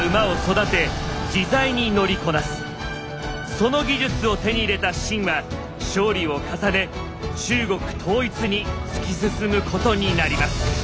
その技術を手に入れた秦は勝利を重ね中国統一に突き進むことになります。